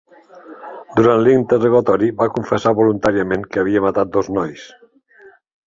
Durant l'interrogatori va confessar voluntàriament que havia matat dos nois.